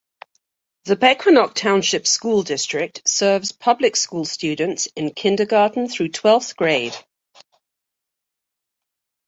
The Pequannock Township School District serves public school students in kindergarten through twelfth grade.